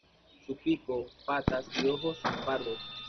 Su pico, patas y ojos son pardos.